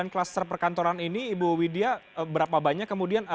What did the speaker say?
dari lima puluh sembilan kluster perkantoran ini ibu widya berapa banyak kemudian